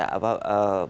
bagian dari mui